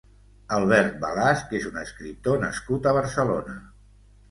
Albert Balasch és un escriptor nascut a Barcelona.